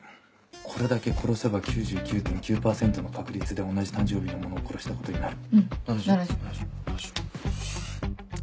これだけ殺せば９９．９％の確率で同じ誕生日の者を殺したことになる。